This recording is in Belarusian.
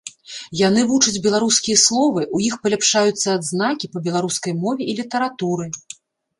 Яны вучаць беларускія словы, у іх паляпшаюцца адзнакі па беларускай мове і літаратуры.